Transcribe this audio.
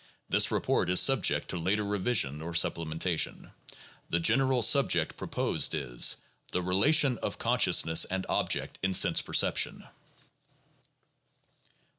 This report is subject to later revision or supplementation. The general subject proposed is :" The Relation of Consciousness and Object in Sense Perception."